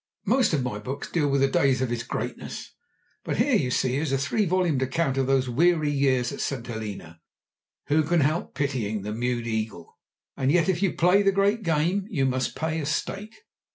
Most of my books deal with the days of his greatness, but here, you see, is a three volume account of those weary years at St. Helena. Who can help pitying the mewed eagle? And yet if you play the great game you must pay a stake.